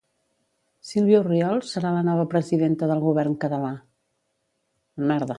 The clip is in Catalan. Silvia Orriols serà la nova presidenta del govern català